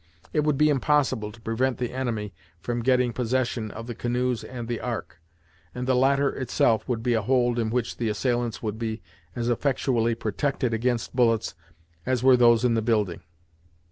It would be impossible to prevent the enemy from getting possession of the canoes and the Ark, and the latter itself would be a hold in which the assailants would be as effectually protected against bullets as were those in the building.